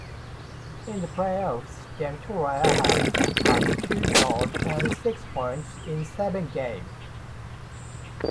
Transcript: In the playoffs, Demitra had two goals and six points in seven games.